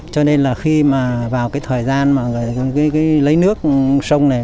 cho nên là khi mà vào cái thời gian mà người lấy nước sông này